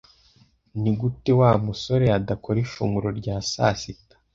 Nigute Wa musore adakora ifunguro rya sasita?